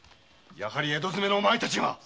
やはり江戸詰めのお前たちが！